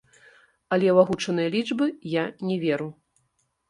Але ў агучаныя лічбы я не веру.